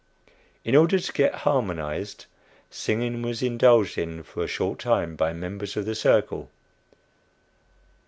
In order to get "harmonized," singing was indulged in for a short time by members of the "circle."